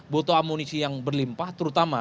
butuh amunisi yang berlimpah terutama